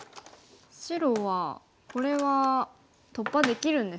白はこれは突破できるんですか？